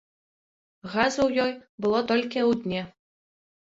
Газы ў ёй было толькі ў дне.